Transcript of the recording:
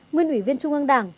nguyên ủy viên trung ương đảng